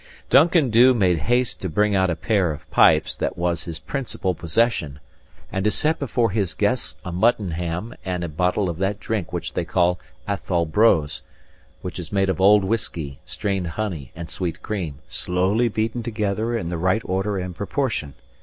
Duncan Dhu made haste to bring out the pair of pipes that was his principal possession, and to set before his guests a mutton ham and a bottle of that drink which they call Athole brose, and which is made of old whiskey, strained honey and sweet cream, slowly beaten together in the right order and proportion.